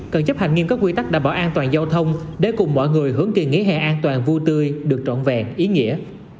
cần chấp hành nghiêm các quy tắc đảm bảo an toàn giao thông để cùng mọi người hướng kỳ nghỉ hè an toàn vui tươi được trọn vẹn ý nghĩa